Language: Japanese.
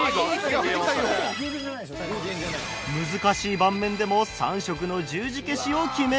難しい盤面でも３色の十字消しを決めきる。